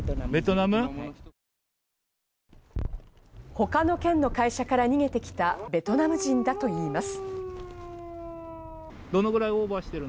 他の県の会社から逃げてきたベトナム人だといいます。